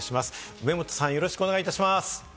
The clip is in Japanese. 梅本さん、よろしくお願いいたします。